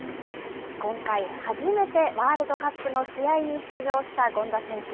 今回、初めてワールドカップの試合に出場した権田選手。